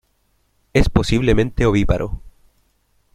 Es posiblemente ovíparo.